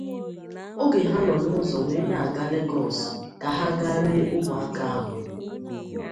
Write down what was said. oge ha nọ n'ụzọ wee na-aga Lagos ka ha ga ree ụmụaka ahụ.